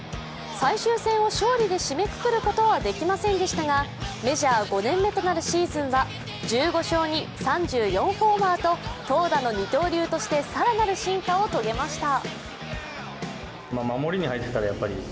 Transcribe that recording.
最終戦を勝利で締めくくることはできませんでしたがメジャー５年目となるシーズンは１５勝に３４ホーマーと投打の二刀流として更なる進化を遂げました。